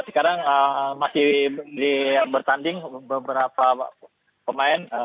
sekarang masih bertanding beberapa pemain